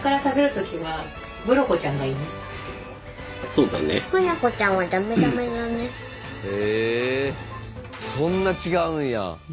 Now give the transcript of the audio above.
そんな違うんや。